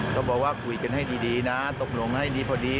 เขาบอกว่าคุยกันให้ดีนะตกลงให้ดีพอดี